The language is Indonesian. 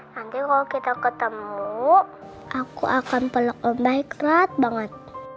nanti kalau kita ketemu aku akan peluk mbaik keras banget